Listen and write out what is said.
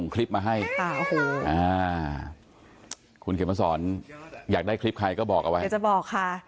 คลิปมาให้คุณเขียนมาสอนอยากได้คลิปใครก็บอกเอาไว้จะบอกค่ะ